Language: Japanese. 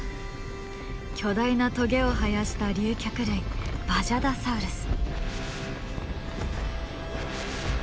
巨大なトゲを生やした竜脚類バジャダサウルス。